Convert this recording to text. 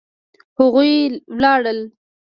هغوی لاړل.